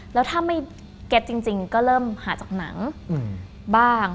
แล้วถ้าไม่เก็ตจริงก็เริ่มหาจากหนังบ้าง